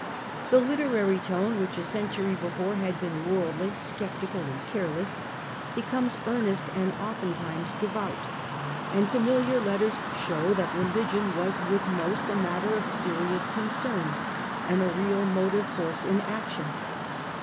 The literary tone, which a century before had 4. The been worldly, sceptical, and careless, be t^^eruy comcs earnest and oftentimes devout; and lone. familiar letters show that religion was with most a matter of serious concern and a real motive force Revival of Religious Sentiment, 225 in action.